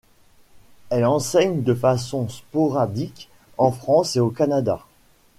Elle enseigne de façon sporadique en France et au Canada.